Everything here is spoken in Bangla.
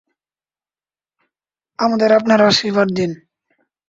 আমাদের আপনার আশীর্বাদ দিন।